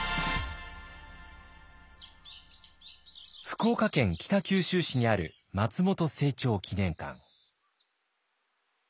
福岡県北九州市にある松本清張記念館。